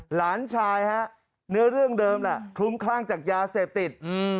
หลานชายเนื้อเรื่องเดิมคลุมคร่างจากยาเสพติด